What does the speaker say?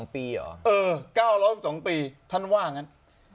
ปีเหรอ๙๑๒ปีท่านว่างั้น